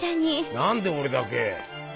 何で俺だけ。